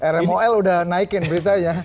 rmol udah naikin beritanya